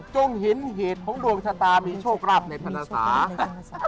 จงเห็นเหตุของดวงชะตามีโชคราบในพรรษา